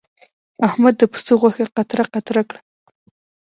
احمد د پسه غوښه قطره قطره کړه.